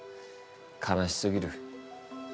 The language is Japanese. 悲しすぎる。